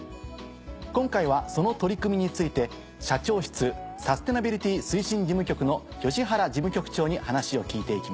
今回はその取り組みについて社長室サステナビリティ推進事務局の吉原事務局長に話を聞いて行きます。